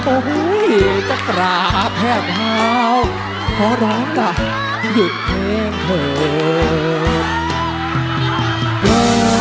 โอ้ยเจ้าปราแพทย์พาวขอร้องล่ะหยุดเพลงเถอะ